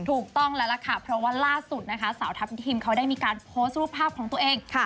ถูกต้องแล้วล่ะค่ะเพราะว่าล่าสุดนะคะสาวทัพทิมเขาได้มีการโพสต์รูปภาพของตัวเอง